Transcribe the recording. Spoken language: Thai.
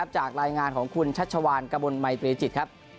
จากรายงานของคุณชัชชาวัรกะบลมัยเปรตรีจิต